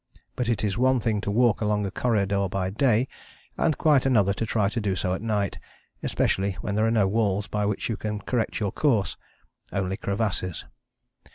But it is one thing to walk along a corridor by day, and quite another to try to do so at night, especially when there are no walls by which you can correct your course only crevasses.